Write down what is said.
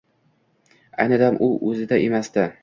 Ayni dam u o`zida emasdi